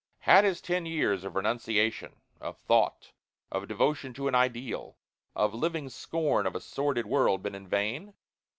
Had his ten years of renunciation, of thought, of devotion to an ideal, of living scorn of a sordid world, been in vain?